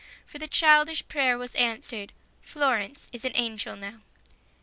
For the childish prayer was answered : Florence is an angel now.